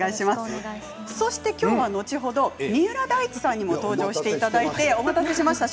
そして今日は後ほど三浦大知さんにも登場していただいてお待たせしました。